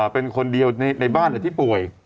เป็นคนเดียวในบ้านที่ป่วย